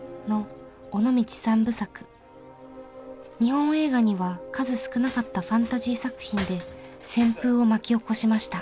日本映画には数少なかったファンタジー作品で旋風を巻き起こしました。